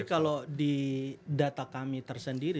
tapi kalau di data kami tersendiri